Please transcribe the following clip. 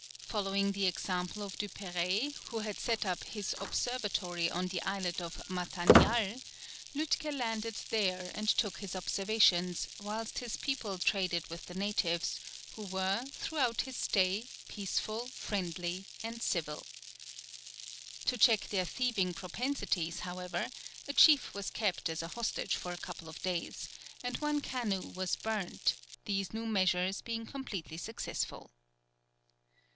Following the example of Duperrey, who had set up his observatory on the islet of Matanial, Lütke landed there and took his observations, whilst his people traded with the natives, who were, throughout his stay, peaceful, friendly, and civil. To check their thieving propensities, however, a chief was kept as a hostage for a couple of days, and one canoe was burnt, these new measures being completely successful.